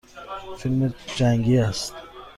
فیلم جنگی است.